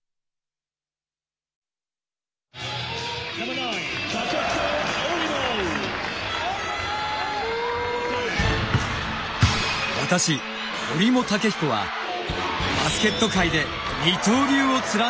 私折茂武彦はバスケット界で二刀流を貫いてきました。